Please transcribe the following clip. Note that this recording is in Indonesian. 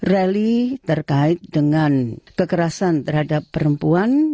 rally terkait dengan kekerasan terhadap perempuan